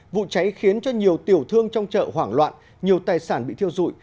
vụ cháy khiến cho nhiều tiểu thương trong chợ hoảng loạn nhiều tài sản bị thiêu dụi